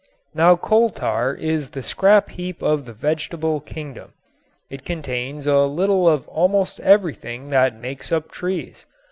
Now coal tar is the scrap heap of the vegetable kingdom. It contains a little of almost everything that makes up trees.